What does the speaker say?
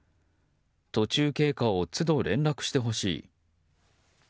途中経過を都度、連絡してほしい。